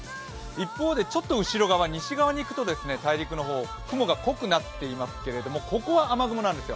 一方でちょっと後ろ側、西側にいくと大陸の方、雲が濃くなっていますけれどここは雨雲なんですよ。